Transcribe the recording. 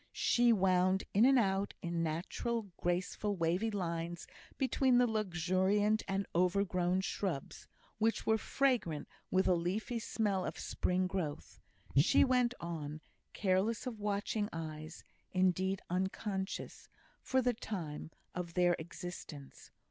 She wound in and out in natural, graceful, wavy lines between the luxuriant and overgrown shrubs, which were fragrant with a leafy smell of spring growth; she went on, careless of watching eyes, indeed unconscious, for the time, of their existence.